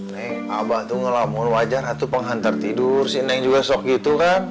neng abah tuh ngelamun wajar lah penghantar tidur si neng juga sok gitu kan